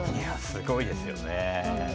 すごいですよね。